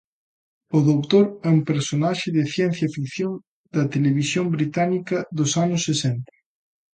O Doutor é un personaxe de ciencia ficción da televisión británica dos anos sesenta